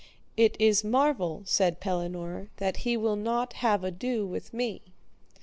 It is marvel, said Pellinore, that he will not have ado with me.